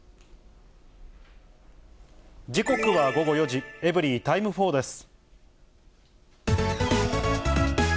時刻は午後４時、エブリィタイム４です。